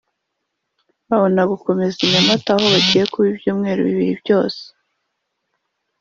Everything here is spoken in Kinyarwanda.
babona gukomereza i Nyamata aho bagiye kuba ibyumweru bibiri byose